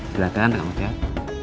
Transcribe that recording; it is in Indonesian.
silahkan pak kusol